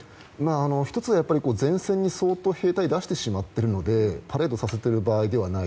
１つは前線に相当兵隊を出してしまっているのでパレードをさせている場合ではない。